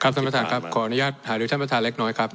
ท่านประธานครับขออนุญาตหารือท่านประธานเล็กน้อยครับ